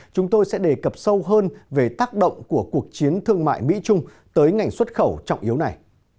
chúng tôi sẽ đề cập sâu hơn về tác động của cuộc chiến thương mại mỹ trung tới ngành xuất khẩu trọng yếu này